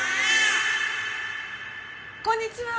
こんにちは。